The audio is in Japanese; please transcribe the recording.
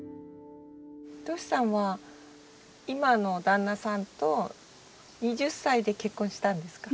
としさんは今の旦那さんと２０歳で結婚したんですか？